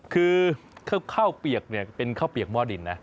คือข้าวเปียกเนี่ยเป็นข้าวเปียกหม้อดินนะ